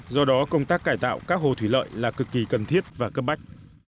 do đó công tác cải tạo các hồ thủy lợi là cực kỳ cần thiết và cấp bách